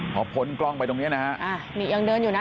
พอพ้นกล้องไปตรงเนี้ยนะฮะอ่านี่ยังเดินอยู่นะ